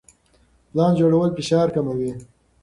پلان جوړول فشار کموي.